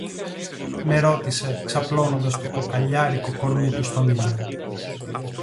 με ρώτησε ξαπλώνοντας το κοκαλιάρικο κορμί του στον ήλιο